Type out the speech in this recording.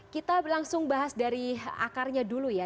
kita langsung bahas dari akarnya dulu ya